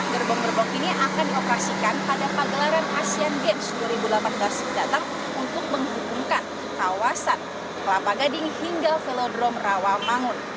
gerbong gerbong ini akan dioperasikan pada pagelaran asean games dua ribu delapan belas mendatang untuk menghubungkan kawasan kelapa gading hingga velodrome rawamangun